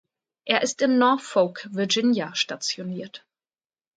Es ist in Norfolk, Virginia stationiert.